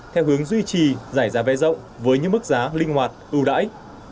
theo hướng duy trì giải giá vé rộng với những mức giá linh hoạt ưu đãi